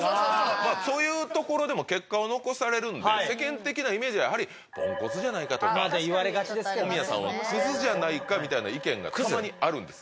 そういうところでも結果を残されるんで世間的なイメージはやはりポンコツじゃないかとか小宮さんはクズじゃないかみたいな意見がたまにあるんです